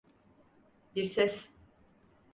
Bir ses.